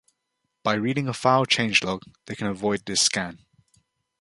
By reading a file change log, they can avoid this scan.